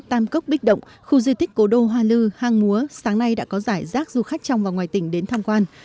tam cốc bích động khu di tích cố đô hoa lư hang múa sáng nay đã có giải rác du khách trong và ngoài tỉnh đến tham quan